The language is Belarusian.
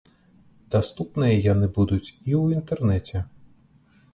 Даступныя яны будуць і ў інтэрнэце.